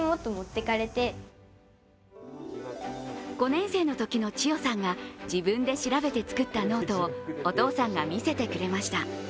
５年生のときの知世さんが自分で調べて作ったノートをお父さんが見せてくれました。